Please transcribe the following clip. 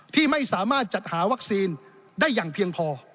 ที่ไม่สามารถจัดหาวัคซีนได้อย่างเพียงพอ